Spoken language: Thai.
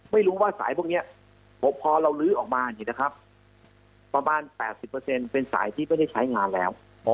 ไม่รู้ว่าสายพวกนี้พอเราลื้อออกมาประมาณ๘๐เป็นสายที่ไม่ได้ใช้งานแล้ว